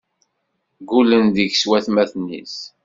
Ggullen deg-s watmaten-is.